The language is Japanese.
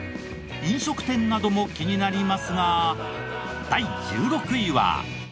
飲食店なども気になりますが第１６位は。